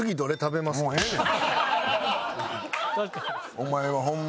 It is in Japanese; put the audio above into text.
お前はホンマ。